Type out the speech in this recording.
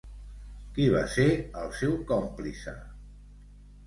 Qui va ser el seu còmplice?